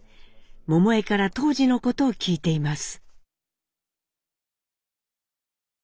桃枝から当時のことを聞いています。